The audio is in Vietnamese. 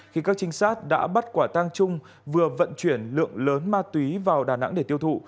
khi các trinh sát đã bắt quả tang chung vừa vận chuyển lượng lớn ma túy vào đà nẵng để tiêu thụ